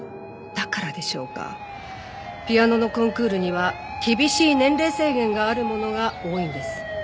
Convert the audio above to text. だからでしょうかピアノのコンクールには厳しい年齢制限があるものが多いんです。